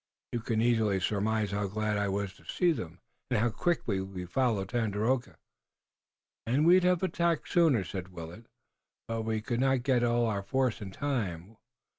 You can easily surmise how glad I was to see them, and how quickly we followed Tandakora." "And we'd have attacked sooner," said Willet, "but we could not get up all our force in time.